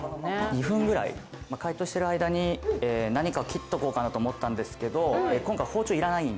２分ぐらい解凍している間に何かを切っとこうかなと思ったんですけど今回え！